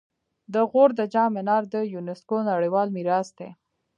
د غور د جام منار د یونسکو نړیوال میراث دی